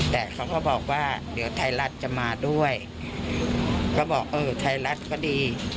แต่เขาก็บอกว่าเดี๋ยวไทยรัฐจะมาด้วยก็บอกเออไทยรัฐก็ดี